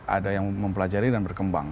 ada yang mempelajari dan berkembang